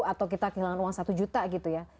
atau kita kehilangan uang satu juta gitu ya